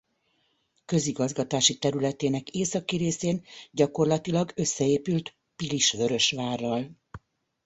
Közigazgatási területének északi részén gyakorlatilag összeépült Pilisvörösvárral.